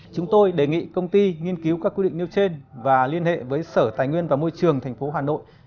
chúng tôi đề nghị công ty nghiên cứu các quy định nêu trên và liên hệ với sở tài nguyên và môi trường tp hà nội